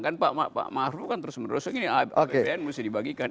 kan pak maruf kan terus menerus gini apbn mesti dibagikan